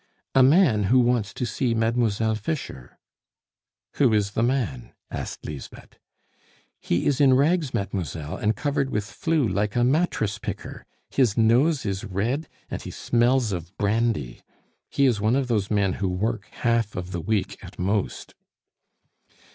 "A man who wants to see Mademoiselle Fischer." "Who is the man?" asked Lisbeth. "He is in rags, mademoiselle, and covered with flue like a mattress picker; his nose is red, and he smells of brandy. He is one of those men who work half of the week at most."